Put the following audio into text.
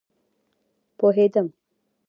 پوهیدم